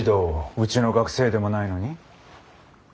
うちの学生でもないのに？